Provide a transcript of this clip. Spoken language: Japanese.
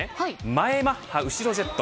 前マッハ、後ろジェット。